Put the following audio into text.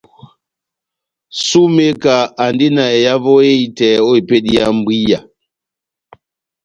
Sumeka andi na ehavo ehitɛ o epedi ya mbwiya.